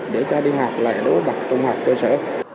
để cho đi học lại đối với bậc trung học cơ sở